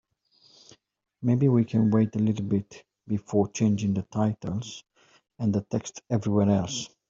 Maybe we can wait a little bit before changing the titles and the text everywhere else?